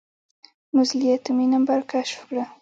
موزلي اتومي نمبر کشف کړه.